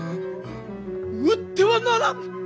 討ってはならん！